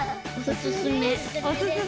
おすすめ。